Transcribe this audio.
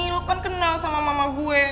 lo kan kenal sama mama gue